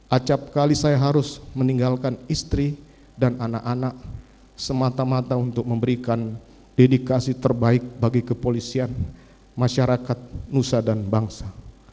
acapkali saya harus meninggalkan istri dan anak anak semata mata untuk memberikan dedikasi terbaik bagi kepolisian masyarakat nusa dan bangsa